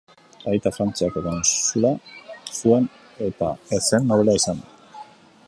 Aita Frantziako kontsula zuen eta ez zen noblea izan.